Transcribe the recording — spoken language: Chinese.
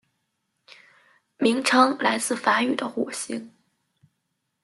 名称来自于梵语的火星。